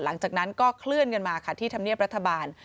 หลังจากนั้นก็เคลื่อนกันมาค่ะที่ธรรมเนียบรัฐบาล